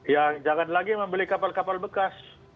ya jangan lagi membeli kapal kapal bekas